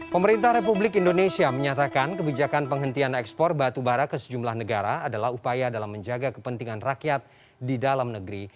pemerintah republik indonesia menyatakan kebijakan penghentian ekspor batubara ke sejumlah negara adalah upaya dalam menjaga kepentingan rakyat di dalam negeri